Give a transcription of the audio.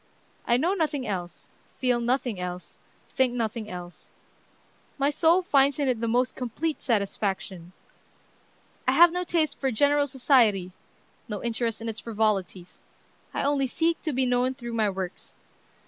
I know nothing else, feel nothing else, think nothing else, My soul finds in it the most complete satisfaction.... I have no taste for general society, no interest in its frivolities. I only seek to be known through my works.